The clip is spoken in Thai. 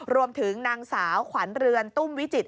รวมถึงนางสาวขวัญเรือนตุ้มวิจิต